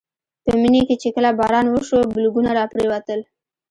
په مني کې چې کله باران وشو بلګونه راپرېوتل.